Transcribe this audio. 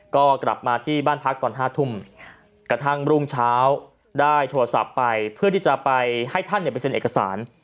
ก็กลับมาที่บ้านพักตอน๕ทุ่มกระทั่งรุ่งเช้าได้โทรศัพท์ไปเพื่อที่จะไปให้ท่านไปเซ็นเอกสาร